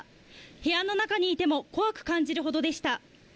部屋の中にいても怖く感じるほどでした。